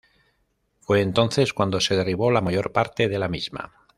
Fue entonces cuando se derribó la mayor parte de la misma.